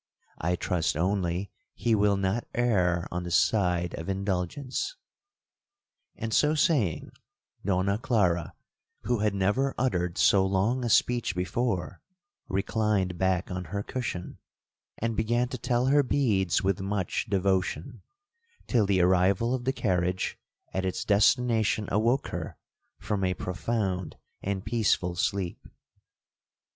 I trust only he will not err on the side of indulgence.' And so saying, Donna Clara, who had never uttered so long a speech before, reclined back on her cushion, and began to tell her beads with much devotion, till the arrival of the carriage at its destination awoke her from a profound and peaceful sleep.